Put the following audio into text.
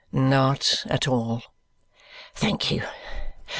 "Not at all." "Thank you.